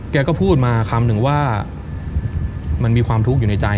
แกก็พูดมาคำหนึ่งว่ามันมีความทุกข์อยู่ในใจ